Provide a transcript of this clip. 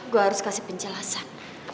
gue harus kasih penjelasan